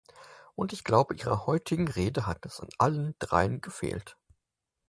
Und ich glaube, Ihrer heutigen Rede hat es an allen dreien gefehlt.